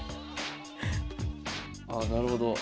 ああなるほど。